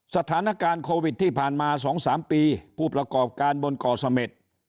สถานการณ์โควิดที่ผ่านมา๒๓ปีผู้ประกอบการบนเกาะเสม็ด